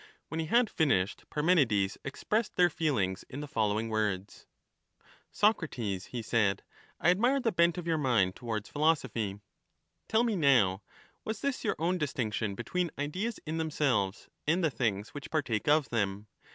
When he had finished, Parmenides expressed their feelings in the following words :— Socrates, he said, I admire the bent of your mind towards philosophy; tell me now, was this your own distinction between ideas in themselves and the things which partake of them